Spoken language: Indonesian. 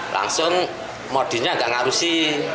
langsung modinya tidak mengaruhi